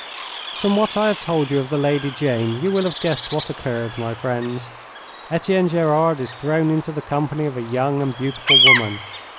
From what I have told you of the Lady Jane you will have guessed what occurred, my friends. Etienne Gerard is thrown into the company of a young and beautiful woman.